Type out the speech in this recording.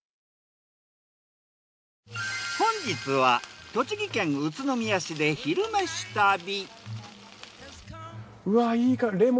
本日は栃木県宇都宮市で「昼めし旅」。